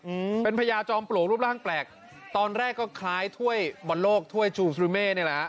อืมเป็นพญาจอมปลวกรูปร่างแปลกตอนแรกก็คล้ายถ้วยบอลโลกถ้วยชูฟริเม่นี่แหละฮะ